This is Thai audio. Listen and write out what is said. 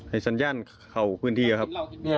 ไอ้สัญญาณเข้าพื้นที่ละครับ